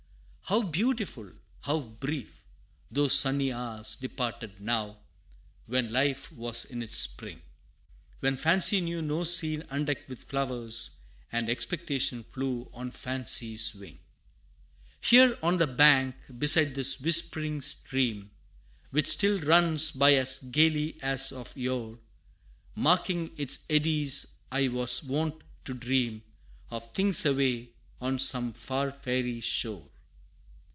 How beautiful, how brief, those sunny hours Departed now, when life was in its spring When Fancy knew no scene undecked with flowers, And Expectation flew on Fancy's wing! Here, on the bank, beside this whispering stream, Which still runs by as gayly as of yore, Marking its eddies, I was wont to dream Of things away, on some far fairy shore.